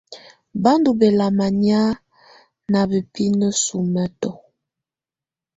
Bá ndɔ́ bɛ́lamá nɛ̀á ná bǝ́pinǝ sumǝ́tɔ̀.